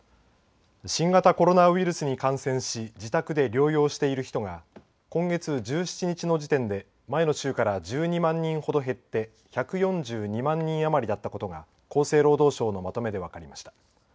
新型コロナウイルスに感染し自宅で療養している人が今月１７日の時点で前の週から１２万人ほど減って１４２万人余りだったことが厚生労働省のまとめで分かりました。